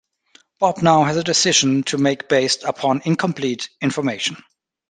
Bob now has a decision to make based upon incomplete information.